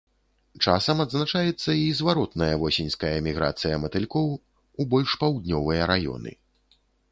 Часам адзначаецца і зваротная восеньская міграцыя матылькоў ў больш паўднёвыя раёны.